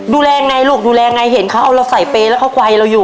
ดูแลยังไงลูกดูแลไงเห็นเขาเอาเราใส่เปรย์แล้วเขาไกลเราอยู่